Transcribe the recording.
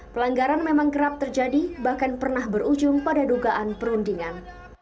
pelanggaran memang kerap terjadi bahkan pernah berujung pada dugaan perundingan